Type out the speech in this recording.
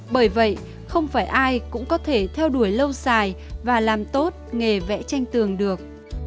bởi vậy không phải ai cũng có thể theo đuổi lâu dài và làm tốt nghề vẽ tranh tường được